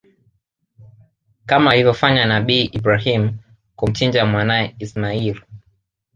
Kama alivyofanya nabii Ibrahim kumchinja mwanae Ismail